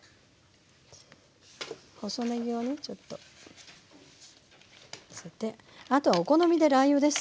細ねぎをねちょっとのせてあとはお好みでラー油です。